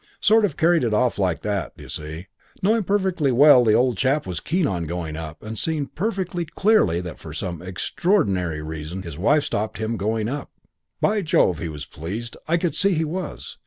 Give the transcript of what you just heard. "Sort of carried it off like that, d'you see; knowing perfectly well the old chap was keen on going up, and seeing perfectly clearly that for some extraordinary reason his wife stopped him going up. "By Jove, he was pleased, I could see he was.